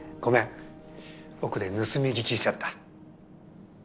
奥で盗み聞きしちゃった。